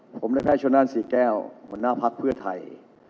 ผมและแพทย์ชนนั่นศรีแก้วหัวหน้าภักดิ์เพื่อไทย